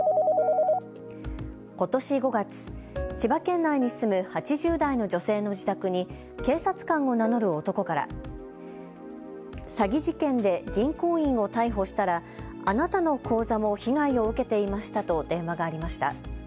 ことし５月、千葉県内に住む８０代の女性の自宅に警察官を名乗る男から詐欺事件で銀行員を逮捕したらあなたの口座も被害を受けていましたと電話がありました。